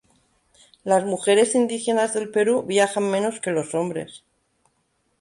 Las mujeres indígenas del Perú viajan menos que los hombres.